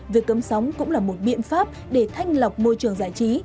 việc cấm sóng cũng là một biện pháp để thanh lọc môi trường giải trí